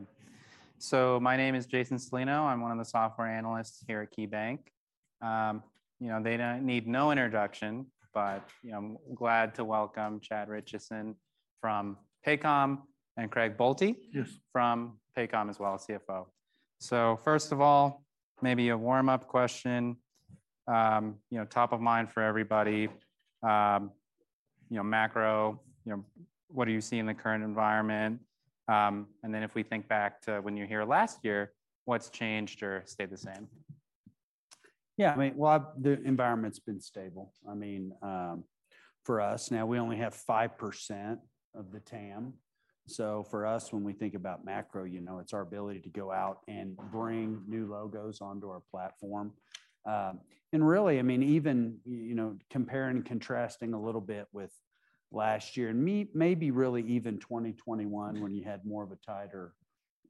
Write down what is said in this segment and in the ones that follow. -started. My name is Jason Celino. I'm one of the software analysts here at KeyBanc. You know, they need no introduction, but, you know, I'm glad to welcome Chad Richison from Paycom and Craig Boelte from Paycom as well, CFO. First of all, maybe a warm-up question, you know, top of mind for everybody, you know, macro, you know, what do you see in the current environment? And then if we think back to when you were here last year, what's changed or stayed the same? Yeah, I mean, well, the environment's been stable. I mean, for us now, we only have 5% of the TAM. For us, when we think about macro, you know, it's our ability to go out and bring new logos onto our platform. Really, I mean, even, you know, comparing and contrasting a little bit with last year, and maybe really even 2021, when you had more of a tighter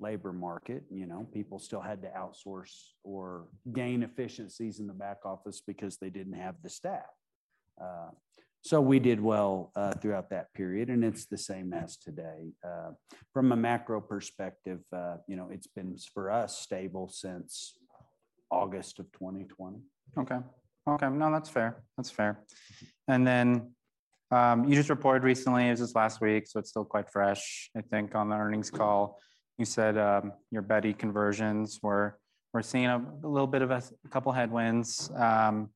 labor market, you know, people still had to outsource or gain efficiencies in the back office because they didn't have the staff. We did well throughout that period, and it's the same as today. From a macro perspective, you know, it's been, for us, stable since August of 2020. Okay. Okay. No, that's fair. That's fair. Then, you just reported recently, it was just last week, so it's still quite fresh, I think, on the earnings call. You said, your Beti conversions were seeing a, little bit of a, couple headwinds, and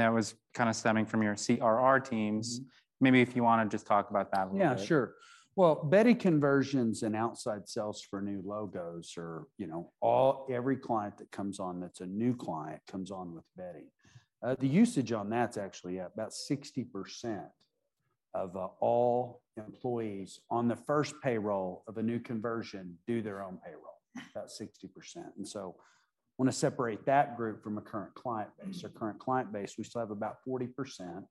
that was kind of stemming from your CRR teams. Maybe if you want to just talk about that a little bit. Yeah, sure. Well, Beti conversions and outside sales for new logos are, you know, every client that comes on that's a new client comes on with Beti. The usage on that's actually at about 60% of all employees on the first payroll of a new conversion do their own payroll, about 60%. Want to separate that group from a current client base. Our current client base, we still have about 40%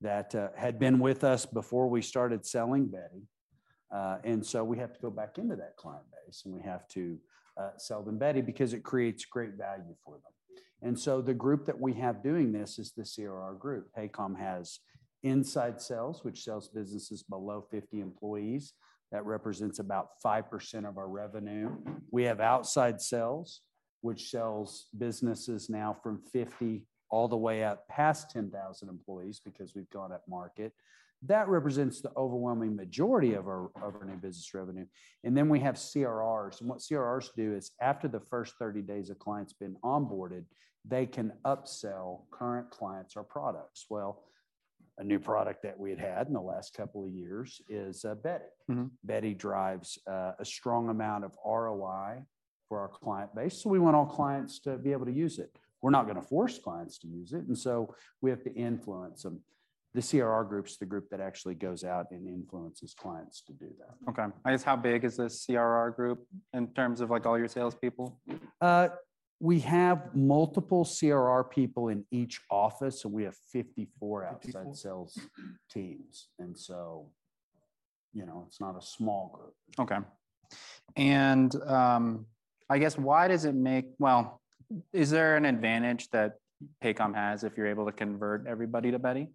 that had been with us before we started selling Beti. We have to go back into that client base, and we have to sell them Beti because it creates great value for them. The group that we have doing this is the CRR group. Paycom has inside sales, which sells businesses below 50 employees. That represents about 5% of our revenue. We have outside sales, which sells businesses now from 50 all the way up past 10,000 employees because we've gone up market. That represents the overwhelming majority of our, of our new business revenue. Then we have CRRs, and what CRRs do is after the first 30 days a client's been onboarded, they can upsell current clients our products. A new product that we'd had in the last couple of years is, Beti. Beti drives a strong amount of ROI for our client base, so we want all clients to be able to use it. We're not going to force clients to use it, and so we have to influence them. The CRR group is the group that actually goes out and influences clients to do that. Okay. I guess, how big is the CRR group in terms of, like, all your salespeople? We have multiple CRR people in each office, so we have 54 outside sales teams, and so, you know, it's not a small group. Okay. Well, is there an advantage that Paycom has if you're able to convert everybody to Beti?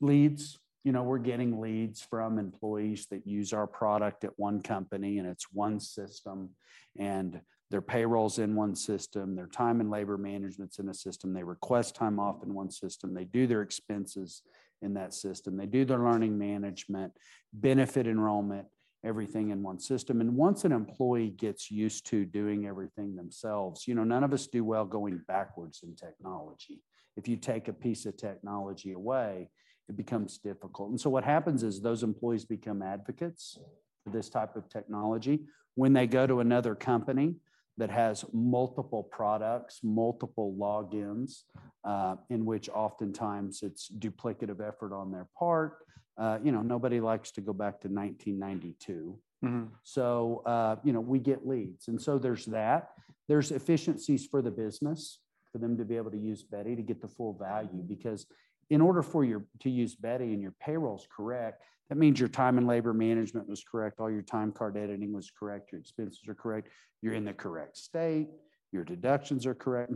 Leads. You know, we're getting leads from employees that use our product at one company, and it's one system, and their payroll's in one system, their time and labor management's in a system. They request time off in one system. They do their expenses in that system. They do their learning management, benefits enrollment, everything in one system. Once an employee gets used to doing everything themselves, you know, none of us do well going backwards in technology. If you take a piece of technology away, it becomes difficult. So what happens is those employees become advocates for this type of technology. When they go to another company that has multiple products, multiple logins, in which oftentimes it's duplicative effort on their part, you know, nobody likes to go back to 1992. You know, we get leads, and so there's that. There's efficiencies for the business, for them to be able to use Beti to get the full value, because in order for your- to use Beti and your payroll's correct, that means your time and labor management was correct, all your time card editing was correct, your expenses are correct, you're in the correct state, your deductions are correct.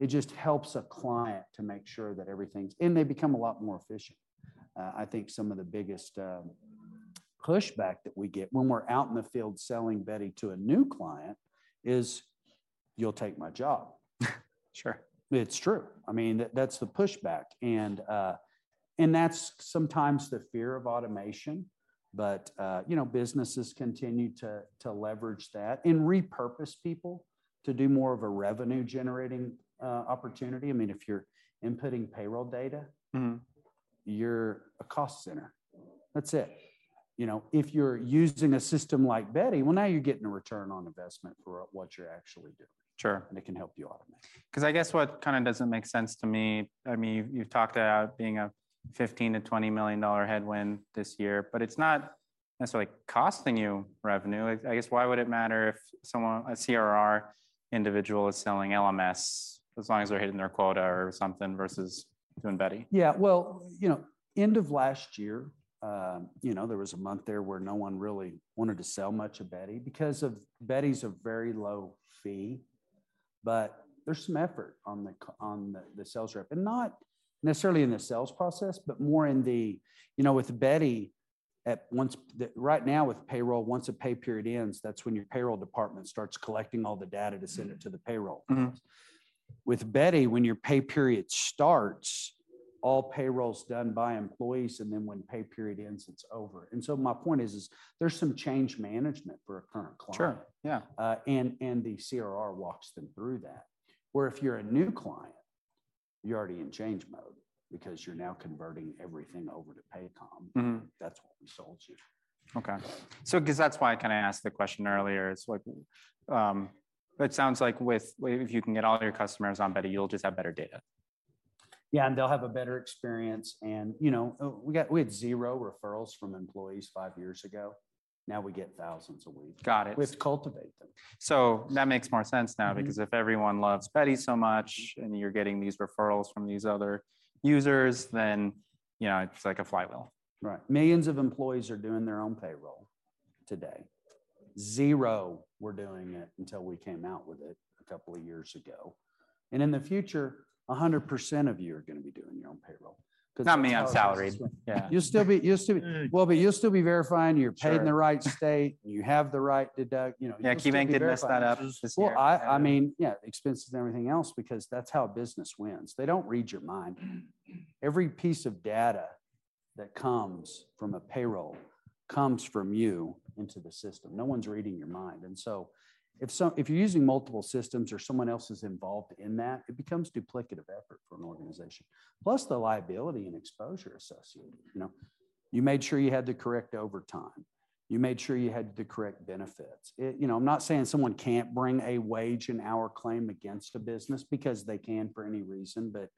It just helps a client to make sure that everything's... And they become a lot more efficient. I think some of the biggest pushback that we get when we're out in the field selling Beti to a new client is: You'll take my job. It's true. I mean, that- that's the pushback. That's sometimes the fear of automation, but, you know, businesses continue to, to leverage that and repurpose people to do more of a revenue-generating opportunity. I mean, if you're inputting payroll data you're a cost center. That's it. You know, if you're using a system like Beti, well, now you're getting a return on investment for what you're actually doing. It can help you automate. I guess what kind of doesn't make sense to me, I mean, you've talked about it being a $15 million-$20 million headwind this year, but it's not necessarily costing you revenue. I guess why would it matter if someone, a CRR individual, is selling LMS, as long as they're hitting their quota or something, versus doing Beti? Yeah, well, you know, end of last year, you know, there was a month there where no one really wanted to sell much of Beti. Because of Beti's a very low fee. There's some effort on the on the, the sales rep, and not necessarily in the sales process, but more in the, you know, with Beti, at once right now, with payroll, once a pay period ends, that's when your payroll department starts collecting all the data to send it to the payroll. With Beti, when your pay period starts, all payroll's done by employees, and then when pay period ends, it's over. So my point is, there's some change management for a current client. Sure, yeah. The CRR walks them through that, where if you're a new client, you're already in change mode because you're now converting everything over to Paycom. That's what we sold you. Okay. Because that's why I kind of asked the question earlier, it's like, it sounds like with... If you can get all your customers on Beti, you'll just have better data. Yeah, and they'll have a better experience, and, you know, we had zero referrals from employees five years ago. Now we get thousands a week. Got it. We have to cultivate them. That makes more sense now because if everyone loves Beti so much, and you're getting these referrals from these other users, then, you know, it's like a flywheel. Right. Millions of employees are doing their own payroll today. Zero were doing it until we came out with it a couple of years ago. In the future, 100% of you are going to be doing your own payroll, because- Not me, I'm salaried. Yeah. You'll still be, Well, you'll still be verifying, you're paid in the right state, and you have the right deduct, you know. Yeah, KeyBanc didn't mess that up this year. Well, I, I mean, yeah, expenses and everything else because that's how business wins. They don't read your mind. Every piece of data that comes from a payroll comes from you into the system. No one's reading your mind. So if you're using multiple systems or someone else is involved in that, it becomes duplicative effort for an organization, plus the liability and exposure associated, you know? You made sure you had the correct overtime. You made sure you had the correct benefits. You know, I'm not saying someone can't bring a wage and hour claim against a business because they can for any reason, but,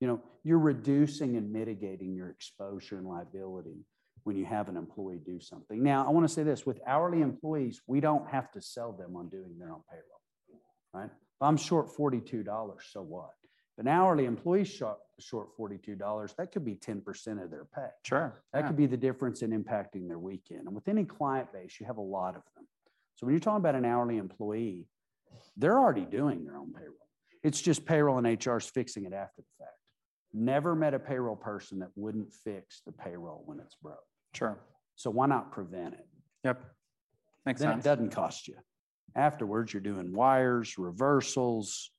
you know, you're reducing and mitigating your exposure and liability when you have an employee do something. Now, I want to say this: With hourly employees, we don't have to sell them on doing their own payroll, right? If I'm short $42, so what? If an hourly employee short $42, that could be 10% of their pay. Sure, yeah. That could be the difference in impacting their weekend. With any client base, you have a lot of them. When you're talking about an hourly employee, they're already doing their own payroll. It's just payroll, and HR is fixing it after the fact. Never met a payroll person that wouldn't fix the payroll when it's broke. Sure. Why not prevent it? Yep. Makes sense. Then it doesn't cost you. Afterwards, you're doing wires, reversals,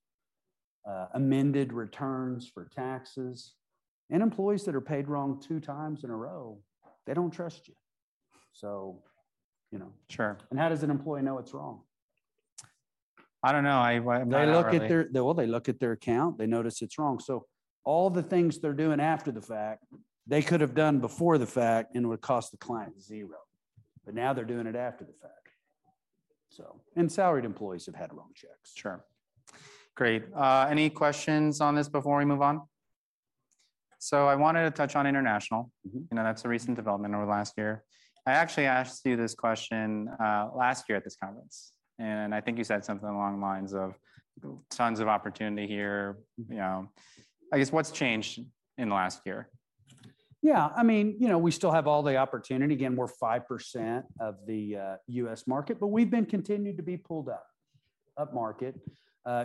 amended returns for taxes. Employees that are paid wrong two times in a row, they don't trust you, so, you know. Sure. How does an employee know it's wrong? I don't know. I, well, I'm not really- Well, they look at their account, they notice it's wrong. All the things they're doing after the fact, they could have done before the fact, and it would have cost the client zero. Now they're doing it after the fact. Salaried employees have had wrong checks. Sure. Great. Any questions on this before we move on? I wanted to touch on international. You know, that's a recent development over the last year. I actually asked you this question last year at this conference, and I think you said something along the lines of tons of opportunity here, you know. I guess, what's changed in the last year? Yeah, I mean, you know, we still have all the opportunity. Again, we're 5% of the U.S. market, but we've been continued to be pulled up, upmarket.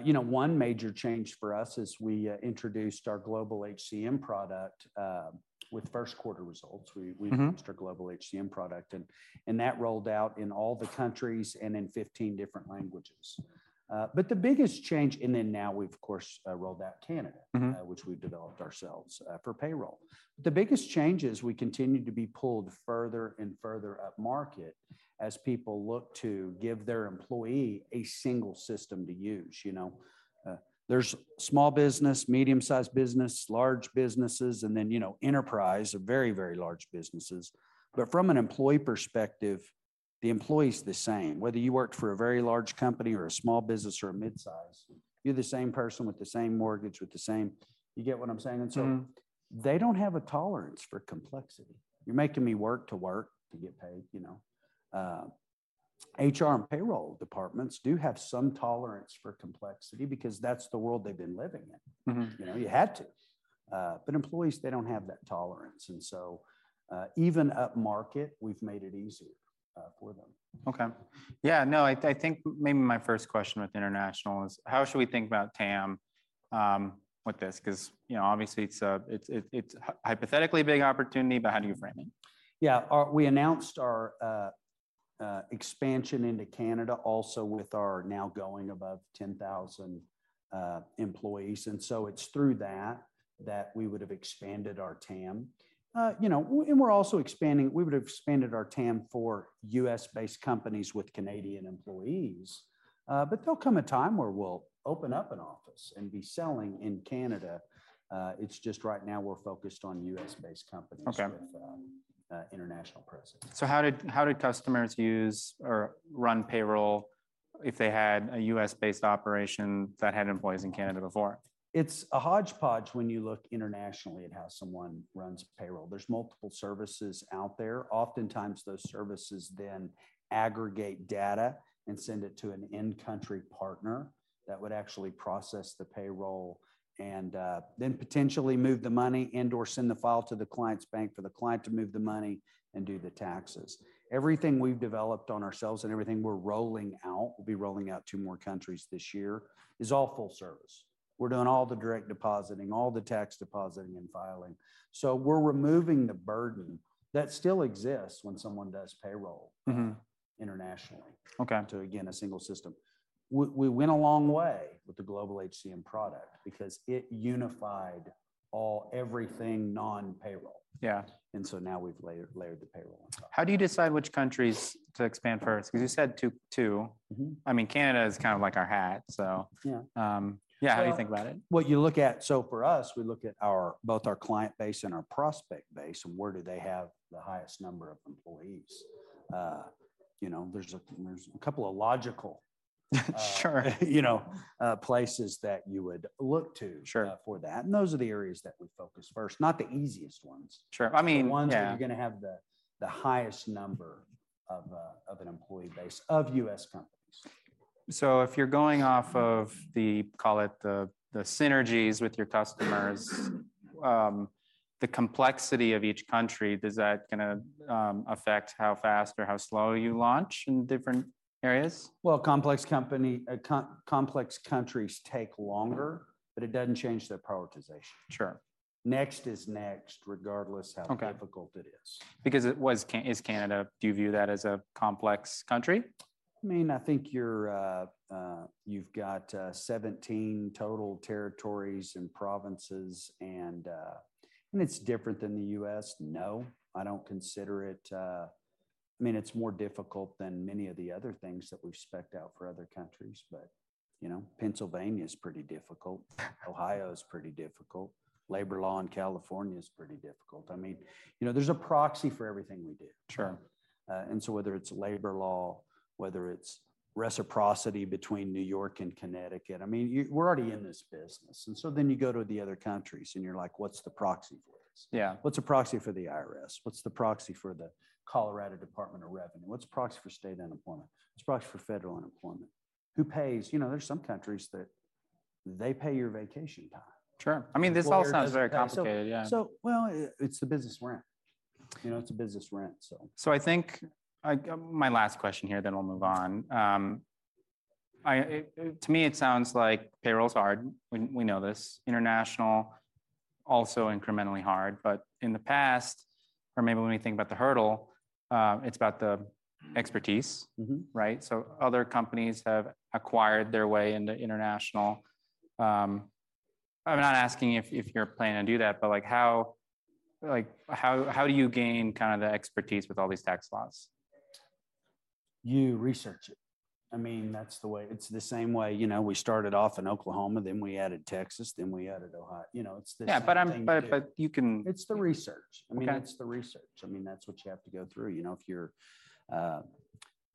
You know, one major change for us is we introduced our Global HCM product with first quarter results. We launched our Global HCM product, and that rolled out in all the countries and in 15 different languages. The biggest change-- and then now we've, of course, rolled out Canada which we've developed ourselves, for payroll. The biggest change is we continue to be pulled further and further upmarket as people look to give their employee a single system to use, you know? There's small business, medium-sized business, large businesses, and then, you know, enterprise or very, very large businesses. From an employee perspective, the employee's the same, whether you work for a very large company or a small business or a mid-size, you're the same person with the same mortgage, with the same... You get what I'm saying? So they don't have a tolerance for complexity. You're making me work to work to get paid, you know? HR and payroll departments do have some tolerance for complexity because that's the world they've been living in. You know, you had to. Employees, they don't have that tolerance, and so, even upmarket, we've made it easier, for them. Okay. Yeah, no, I, I think maybe my first question with international is: How should we think about TAM with this? You know, obviously, it's hypothetically a big opportunity, but how do you frame it? Yeah. Our We announced our expansion into Canada also with our now going above 10,000 employees. It's through that that we would have expanded our TAM. We're also expanding we would have expanded our TAM for U.S.-based companies with Canadian employees. There'll come a time where we'll open up an office and be selling in Canada. It's just right now, we're focused on U.S.-based companies with international presence. How did, how did customers use or run payroll if they had a U.S.-based operation that had employees in Canada before? It's a hodgepodge when you look internationally at how someone runs payroll. There's multiple services out there. Oftentimes, those services then aggregate data and send it to an in-country partner that would actually process the payroll, and then potentially move the money and/or send the file to the client's bank for the client to move the money and do the taxes. Everything we've developed on ourselves and everything we're rolling out, we'll be rolling out two more countries this year, is all full service. We're doing all the direct depositing, all the tax depositing and filing. We're removing the burden that still exists when someone does payroll internationally to, again, a single system. We, we went a long way with the Global HCM product because it unified all, everything non-payroll. So now we've layered the payroll on top. How do you decide which countries to expand first? Because you said two, two. I mean, Canada is kind of like our hat, so- Yeah. Um, yeah, How do you think about it? What you look at. For us, we look at our, both our client base and our prospect base, and where do they have the highest number of employees? You know, there's a, there's a couple of logical, you know, places that you would look to for that. Those are the areas that we focus first, not the easiest ones. Sure. I mean- The ones where you're going to have the, the highest number of, of an employee base of U.S. companies. If you're going off of the, call it the, the synergies with your customers, the complexity of each country, does that going to affect how fast or how slow you launch in different areas? Well, complex company, complex countries take longer, but it doesn't change their prioritization. Sure. Next is next, regardless of how difficult it is. Is Canada, do you view that as a complex country? I mean, I think you're, you've got, 17 total territories and provinces and, and it's different than the U.S. No, I don't consider it. I mean, it's more difficult than many of the other things that we've spec'd out for other countries, but, you know, Pennsylvania is pretty difficult. Ohio is pretty difficult. Labor law in California is pretty difficult. I mean, you know, there's a proxy for everything we do. Whether it's labor law, whether it's reciprocity between New York and Connecticut, I mean, we're already in this business, and so then you go to the other countries, and you're like, What's the proxy for this? What's the proxy for the IRS? What's the proxy for the Colorado Department of Revenue? What's the proxy for state unemployment? What's the proxy for federal unemployment? Who pays... You know, there are some countries that they pay your vacation time. Sure. I mean, this all sounds very complicated, yeah. Well, it's the business rent. You know, it's a business rent, so. My last question here, then I'll move on. I, to me, it sounds like payroll is hard. We, we know this. International, also incrementally hard. In the past, or maybe when we think about the hurdle, it's about the expertise. Right? other companies have acquired their way into international. I'm not asking if, if you're planning to do that, but, like, how, how do you gain kind of the expertise with all these tax laws? You research it. I mean, that's the way. It's the same way, you know, we started off in Oklahoma, then we added Texas, then we added Ohio. You know, it's the same thing to do. Yeah, but you- It's the research. I mean, it's the research. I mean, that's what you have to go through. You know, if you're, There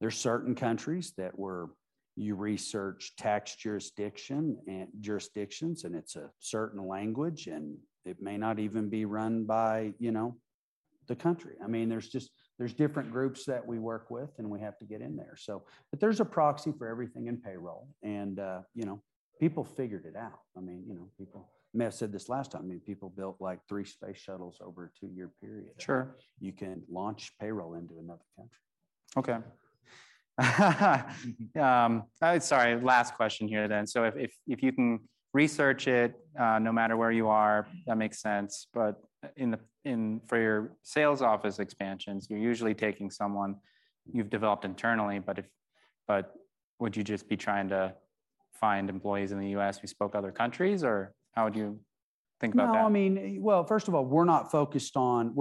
are certain countries that where you research tax jurisdiction, and jurisdictions, and it's a certain language, and it may not even be run by, you know, the country. I mean, there's different groups that we work with, and we have to get in there. But there's a proxy for everything in payroll, and, you know, people figured it out. I mean, you know, people... I may have said this last time, I mean, people built, like, three space shuttles over a two-year period. You can launch payroll into another country. Okay. Sorry, last question here then. If you can research it, no matter where you are, that makes sense. But in the for your sales office expansions, you're usually taking someone you've developed internally, but if, but would you just be trying to find employees in the U.S. who spoke other countries, or how would you think about that? No, I mean, well, first of all, we're not focused on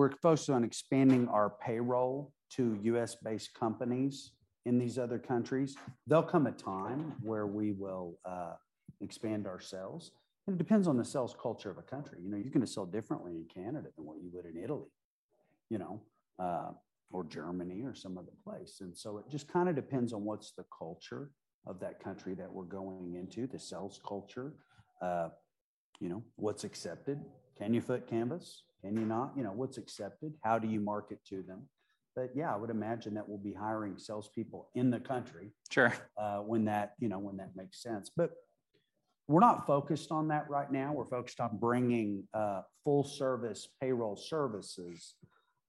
expanding our payroll to U.S.-based companies in these other countries. There'll come a time where we will expand our sales, and it depends on the sales culture of a country. You know, you're going to sell differently in Canada than what you would in Italy, you know, or Germany, or some other place. It just kind of depends on what's the culture of that country that we're going into, the sales culture. You know, what's accepted? Can you foot canvass? Can you not? You know, what's accepted? How do you market to them? Yeah, I would imagine that we'll be hiring salespeople in the country when that, you know, when that makes sense. We're not focused on that right now. We're focused on bringing, full-service payroll services,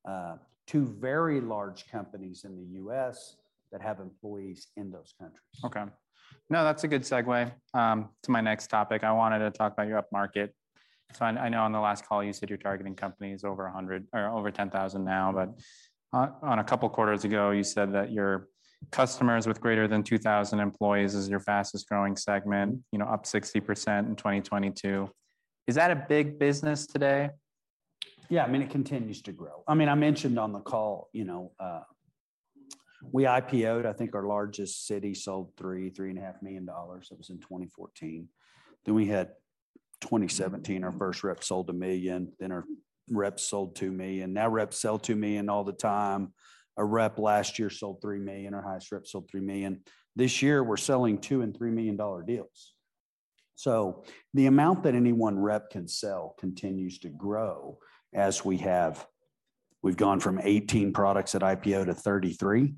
to very large companies in the U.S. that have employees in those countries. Okay. No, that's a good segue to my next topic. I wanted to talk about your upmarket. I, I know on the last call, you said you're targeting companies over 100, or over 10,000 now, but on, on a couple of quarters ago, you said that your customers with greater than 2,000 employees is your fastest-growing segment, you know, up 60% in 2022. Is that a big business today? Yeah, I mean, it continues to grow. I mean, I mentioned on the call, you know, we IPO'd. I think our largest city sold $3 million-$3.5 million. That was in 2014. Then we had 2017, our first rep sold $1 million, then our reps sold $2 million. Now, reps sell $2 million all the time. A rep last year sold $3 million. Our highest rep sold $3 million. This year, we're selling $2 million and $3 million deals. The amount that any one rep can sell continues to grow as we have we've gone from 18 products at IPO to 33.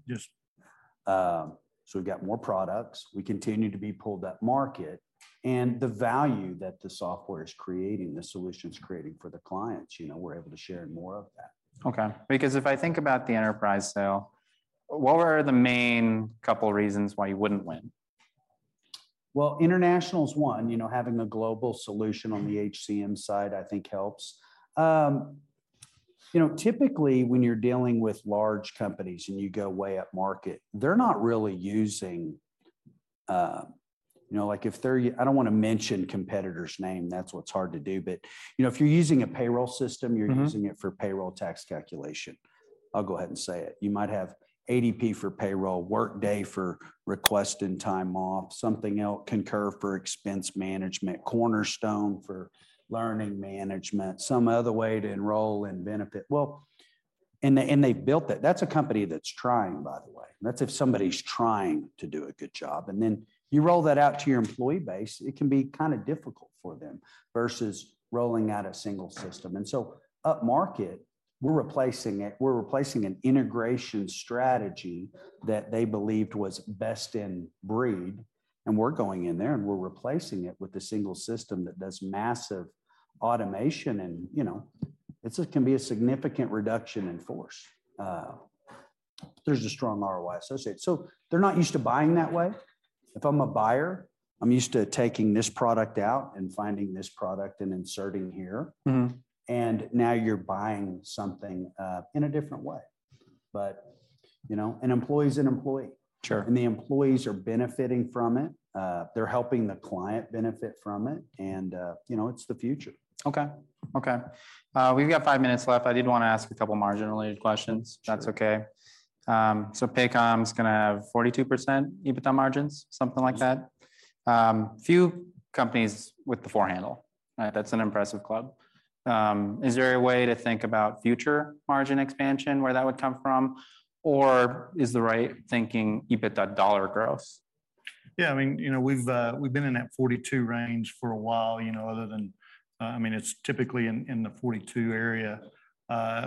We've got more products. We continue to be pulled that market, and the value that the software is creating, the solution it's creating for the clients, you know, we're able to share more of that. Okay. If I think about the enterprise sale, what were the main couple reasons why you wouldn't win? Well, international is one. You know, having a global solution on the HCM side, I think helps. You know, typically, when you're dealing with large companies, and you go way up market, they're not really using, you know, like, if they're... I don't want to mention competitor's name, that's what's hard to do. You know, if you're using a payroll system you're using it for payroll tax calculation. I'll go ahead and say it. You might have ADP for payroll, Workday for requesting time off, something else, Concur for expense management, Cornerstone for learning management, some other way to enroll in benefit. Well, they, and they've built it. That's a company that's trying, by the way. That's if somebody's trying to do a good job, and then you roll that out to your employee base, it can be kind of difficult for them versus rolling out a single system. Up market, we're replacing it. We're replacing an integration strategy that they believed was best in breed, and we're going in there, and we're replacing it with a single system that does massive automation, and, you know, it's a, can be a significant reduction in force. There's a strong ROI associated. They're not used to buying that way. If I'm a buyer, I'm used to taking this product out and finding this product and inserting here. Now you're buying something, in a different way. you know, an employee is an employee. The employees are benefiting from it. They're helping the client benefit from it, and, you know, it's the future. Okay. Okay, we've got 5 minutes left. I did want to ask a couple margin-related questions if that's okay. Paycom's going to have 42% EBITDA margins, something like that? Few companies with the 4 handle. Right? That's an impressive club. Is there a way to think about future margin expansion, where that would come from? Or is the right thinking EBITDA dollar gross? Yeah, I mean, you know, we've, we've been in that 42 range for a while, you know, other than... I mean, it's typically in, in the 42 area,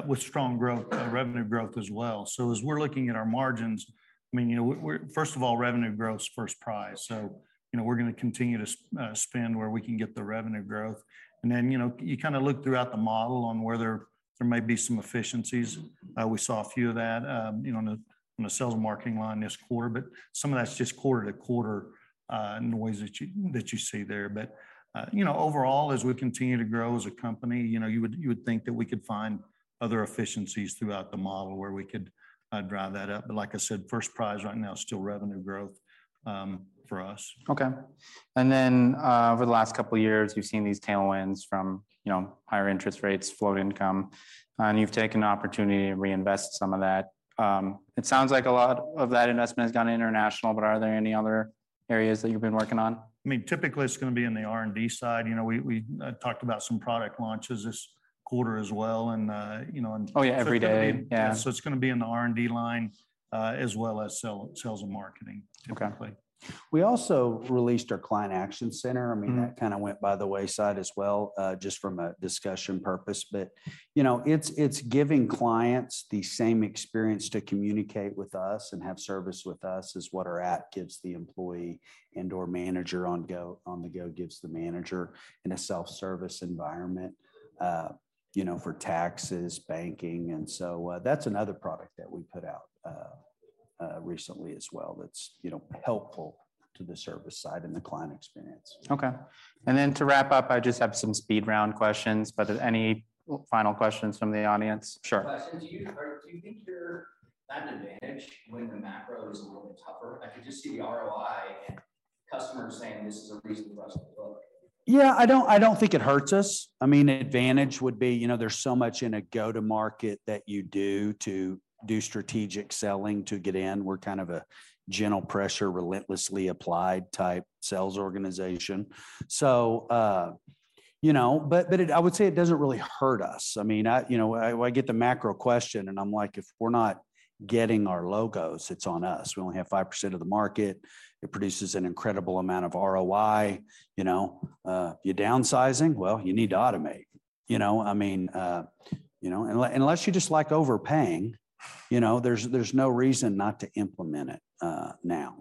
with strong growth, revenue growth as well. As we're looking at our margins, I mean, you know, we're, first of all, revenue growth is first prize. You know, we're going to continue to spend where we can get the revenue growth. Then, you know, you kind of look throughout the model on whether there may be some efficiencies. We saw a few of that, you know, on the, on the sales and marketing line this quarter, but some of that's just quarter-to-quarter noise that you, that you see there. You know, overall, as we continue to grow as a company, you know, you would, you would think that we could find other efficiencies throughout the model where we could drive that up. Like I said, first prize right now is still revenue growth, for us. Okay. Then, over the last couple of years, you've seen these tailwinds from, you know, higher interest rates, float income, and you've taken the opportunity to reinvest some of that. It sounds like a lot of that investment has gone international, but are there any other areas that you've been working on? I mean, typically it's going to be in the R&D side. You know, we, we talked about some product launches this quarter as well, and, you know. Oh, yeah, every day. Yeah. It's going to be in the R&D line, as well as sales and marketing typically. We also released our Client Action Center. I mean, that kind of went by the wayside as well, just from a discussion purpose. You know, it's, it's giving clients the same experience to communicate with us and have service with us as what our app gives the employee and/or manager on the go, gives the manager in a self-service environment, you know, for taxes, banking. That's another product that we put out recently as well, that's, you know, helpful to the service side and the client experience. Okay. Then to wrap up, I just have some speed-round questions, but any final questions from the audience? Sure. Do you do you think you're at an advantage when the macro is a little bit tougher? I could just see the ROI and customers saying. Yeah, I don't, I don't think it hurts us. I mean, an advantage would be, you know, there's so much in a go-to-market that you do to do strategic selling to get in. We're kind of a general pressure, relentlessly applied type sales organization. You know, but, but it- I would say it doesn't really hurt us. I mean, I, you know, I, I get the macro question, and I'm like: If we're not getting our logos, it's on us. We only have 5% of the market. It produces an incredible amount of ROI. You know, you're downsizing, well, you need to automate, you know? I mean, you know, unless you just like overpaying, you know, there's, there's no reason not to implement it, now.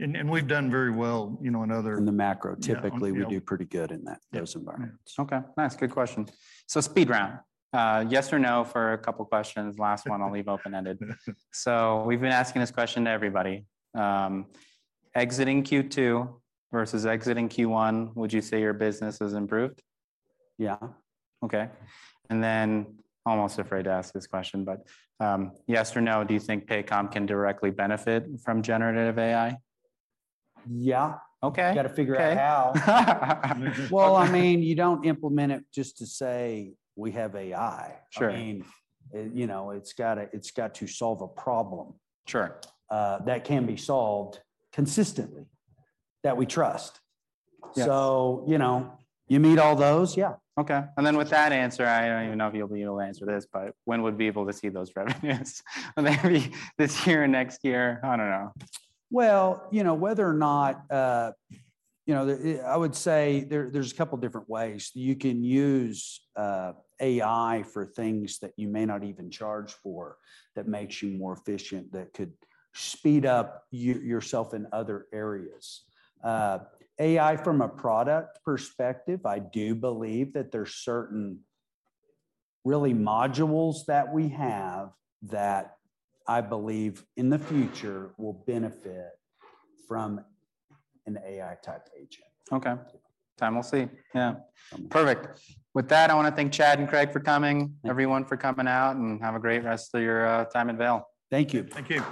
And we've done very well, you know, in.- In the macro, typically, we do pretty good in that-those environments. Okay, nice. Good question. Speed round. Yes or no for couple questions. Last one, I'll leave open-ended. We've been asking this question to everybody. Exiting Q2 versus exiting Q1, would you say your business has improved? Yeah. Okay. Then, almost afraid to ask this question, but, yes or no, do you think Paycom can directly benefit from generative AI? Yeah. Okay, okay. We got to figure out how. Well, I mean, you don't implement it just to say, We have AI. Sure. I mean, you know, it's got to, it's got to solve a problem that can be solved consistently, that we trust. You know, you meet all those? Yeah. Okay. With that answer, I don't even know if you'll be able to answer this, but when would we be able to see those revenues? Maybe this year or next year, I don't know. Well, you know, whether or not. You know, I would say there's a couple different ways. You can use AI for things that you may not even charge for, that makes you more efficient, that could speed up yourself in other areas. AI, from a product perspective, I do believe that there's certain really modules that we have that I believe in the future will benefit from an AI-type agent. Okay. Time we'll see. Yeah. Perfect. With that, I want to thank Chad and Craig for coming everyone for coming out, and have a great rest of your time at Vail. Thank you. Thank you.